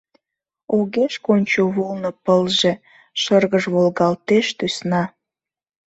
Огеш кончо вулно пылже, Шыргыж волгалтеш тӱсна.